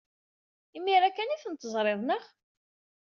Imir-a kan ay tent-teẓrid, naɣ?